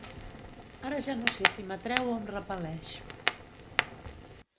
Ara ja no sé si m'atreu o em repel·leix.